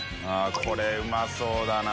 これうまそうだな。